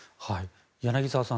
柳澤さん